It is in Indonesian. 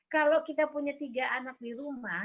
kalau kita punya tiga anak di rumah